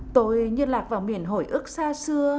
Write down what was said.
tôi như lạc vào miền hồi ước xa xưa